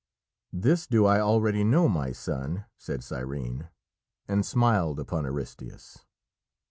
"This do I already know, my son," said Cyrene, and smiled upon Aristæus.